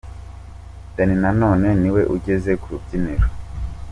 Danny Nanone niwe ugeze ku rubyiniro.